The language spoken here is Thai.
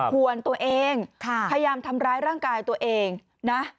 ห่วงตัวเองพยายามทำร้ายร่างกายตัวเองนะ